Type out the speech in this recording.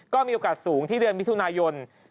ก็มีโอกาสสูงที่เดือนมิถุนายน